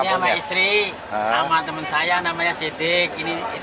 ini sama istri sama temen saya namanya sidik